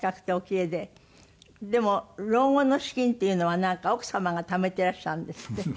でも老後の資金っていうのはなんか奥様がためていらしたんですって？